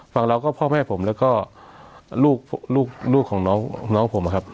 ฝั่งเราก็พ่อแม่ผมแล้วก็ลูกของน้องผมครับ